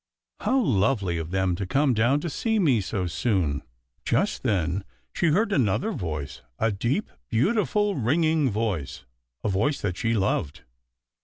How lovely of them to come down to see me so soon." Just then she heard another voice, a deep, beautiful, ringing voice, a voice that she loved.